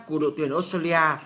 của đội tuyển australia